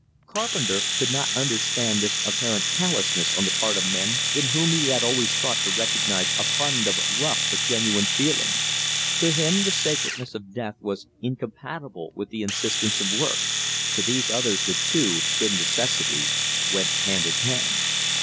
Carpenter could not understand this apparent callousness on the part of men in whom he had always thought to recognize a fund of rough but genuine feeling. To him the sacredness of death was incompatible with the insistence of work. To these others the two, grim necessity, went hand in hand.